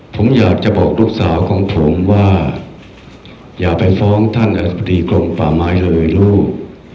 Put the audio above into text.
ผมอยากจะบอกลูกสาวของผมว่าอย่าไปฟ้องท่านอธิบดีกรมป่าไม้เลยลูก